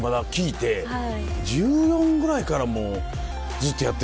１４歳ぐらいからもうずっとやってるのよね。